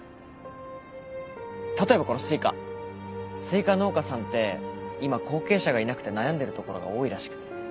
スイカ農家さんって今後継者がいなくて悩んでるところが多いらしくて。